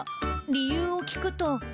理由を聞くと。